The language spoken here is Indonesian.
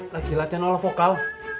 lagi latihan olah vokal